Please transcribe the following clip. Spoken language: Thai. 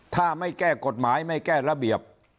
ถ้าไม่แก้กฎหมายไม่แก้ระเบียบ